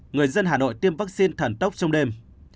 người dân hà nội tiêm vaccine thần tốc trong đêm